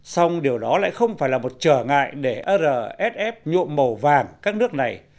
xong điều đó lại không phải là một trở ngại để rsf nhuộm màu vàng các nước này